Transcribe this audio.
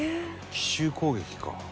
奇襲攻撃か。